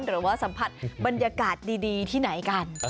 หรือว่าสัมผัสบรรยากาศดีที่ไหนกัน